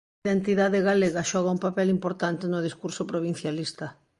A identidade galega xoga un papel importante no discurso provincialista.